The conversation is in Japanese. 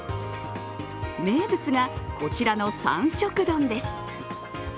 名物が、こちらの三色丼です。